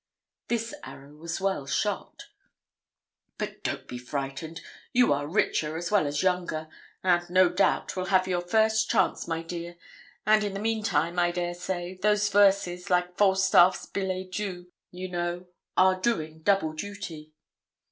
This arrow was well shot. 'But don't be frightened: you are richer as well as younger; and, no doubt, will have your chance first, my dear; and in the meantime, I dare say, those verses, like Falstaff's billet doux, you know, are doing double duty.'